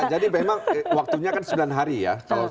jadi memang waktunya kan sembilan hari ya